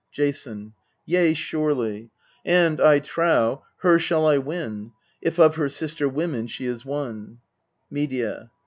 Jason. Yea, surely ; and, I trow, her shall I win, If of her sister women she is one. Medea.